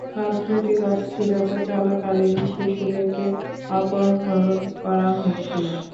রাজনৈতিক অস্থিরতা চলাকালীন শিশুদেরকে অপহরণ করা হয়েছিল।